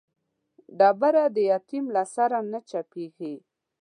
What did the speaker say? ډبره د يتيم له سره نه چپېږي.